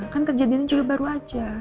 kan kejadian itu juga baru aja